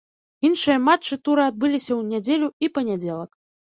Іншыя матчы тура адбыліся ў нядзелю і панядзелак.